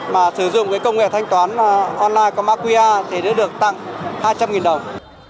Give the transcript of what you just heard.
mà sử dụng cái công nghệ thanh toán online qua macqa thì đã được tặng hai trăm linh đồng